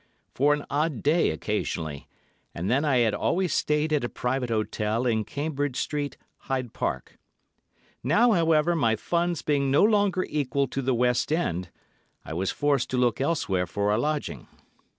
—for an odd day occasionally, and then I had always stayed at a private hotel in Cambridge Street, Hyde Park. Now, however, my funds being no longer equal to the West End, I was forced to look elsewhere for a lodging.